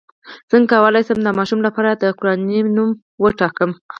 څنګه کولی شم د ماشوم لپاره د قران نوم وټاکم